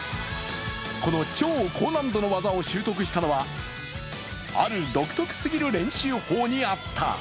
この超高難度の技を習得したのはある独特すぎる練習法にあった。